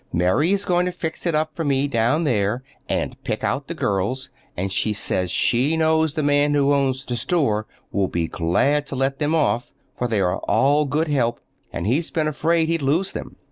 Mary is going to fix it up for me down there, and pick out the girls, and she says she knows the man who owns the store will be glad to let them off, for they are all good help, and he's been afraid he'd lose them.